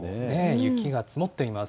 雪が積もっています。